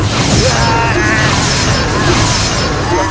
tidak ada kesalahan